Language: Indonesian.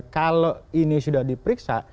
kalau ini sudah diperiksa